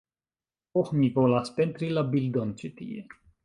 "Oh, mi volas pentri la bildon ĉi tie"